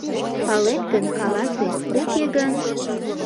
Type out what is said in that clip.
Палет гын, каласе, уке гын...